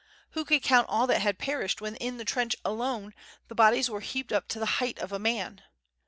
Who could count all that had perished when in the trench alone the bodies were heaped up to the height of a man?